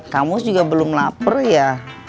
kamu juga belum lapar ya